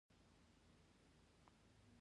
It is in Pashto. ـ غل خپله څېره په اوبو کې ويني.